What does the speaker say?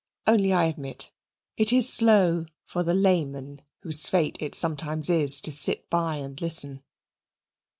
only I admit it is slow for the laymen whose fate it sometimes is to sit by and listen.